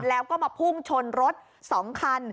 แล้วก็มาพุ่งชนรถ๒คัน